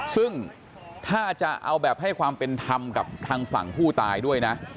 ซึ่งถ้าจะเอาแบบให้ความเป็นธรรมกับทางฝั่งผู้ตายด้วยนะ